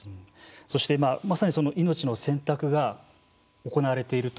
そして今まさに命の選択が行われていると。